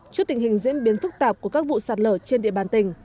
trước tình hình diễn biến phức tạp của các vụ sạt lở trên địa bàn tỉnh